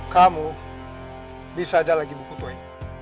kamu bisa aja lagi buku tuai